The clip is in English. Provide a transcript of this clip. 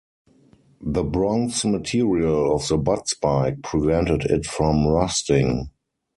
The bronze material of the butt-spike prevented it from rusting.